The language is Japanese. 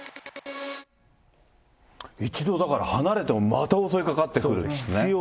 一度、だから離れても、また襲いかかってくる。